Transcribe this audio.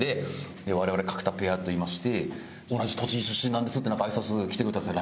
「我々角田ペアといいまして同じ栃木出身なんです」ってあいさつ来てくれたんですよ